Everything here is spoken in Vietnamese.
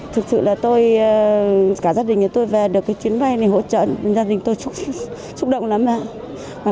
thực sự là tôi cả gia đình nhà tôi về được cái chuyến bay này hỗ trợ gia đình tôi xúc động lắm ạ